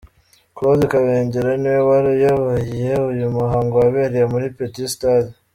Claude Kabengera niwe wari uyoboye uyu muhango wabereye muri Petit Stade.